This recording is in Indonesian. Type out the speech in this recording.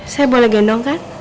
saya boleh gendong kan